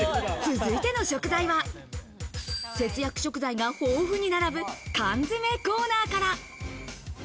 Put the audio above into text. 続いての食材は節約食材が豊富に並ぶ缶詰コーナーから。